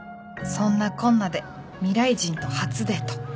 そんなこんなで未来人と初デート。